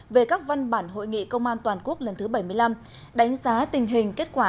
về các văn bản hội nghị công an toàn quốc lần thứ bảy mươi năm đánh giá tình hình kết quả